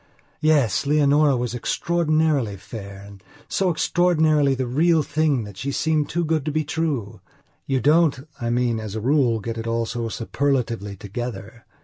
Yes, Leonora was extraordinarily fair and so extraordinarily the real thing that she seemed too good to be true. You don't, I mean, as a rule, get it all so superlatively together.